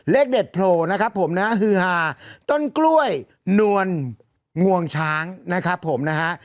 เลขเด็ดโผล่นะครับผมนะฮือฮาต้นกล้วยนวลงวงช้างนะครับผมนะฮะ